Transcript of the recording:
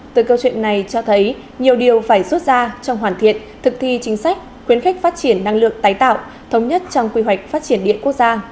từ câu chuyện này cho thấy nhiều điều phải rút ra trong hoàn thiện thực thi chính sách khuyến khích phát triển năng lượng tái tạo thống nhất trong quy hoạch phát triển điện quốc gia